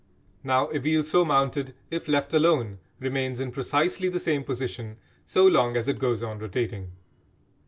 Now a wheel so mounted if left alone remains in precisely the same position so long as it goes on rotating.